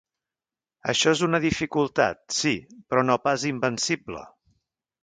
Això és una dificultat, sí, però no pas invencible.